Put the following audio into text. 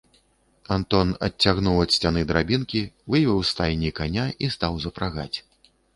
Антон адцягнуў ад сцяны драбінкі, вывеў з стайні каня і стаў запрагаць.